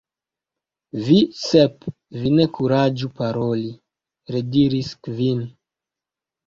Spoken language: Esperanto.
" Vi, Sep, vi ne kuraĝu paroli!" rediris Kvin.